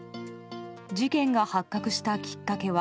事件が発覚したきっかけは